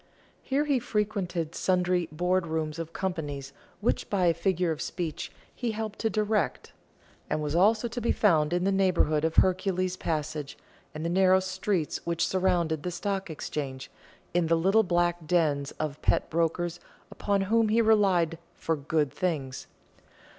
Here he frequented sundry "board rooms" of companies which by a figure of speech he helped to "direct," and was also to be found in the neighbourhood of Hercules Passage and the narrow streets which surround the Stock Exchange, in the little back dens of pet brokers upon whom he relied for "good things."